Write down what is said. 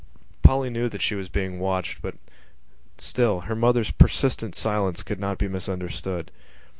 Polly knew that she was being watched, but still her mother's persistent silence could not be misunderstood.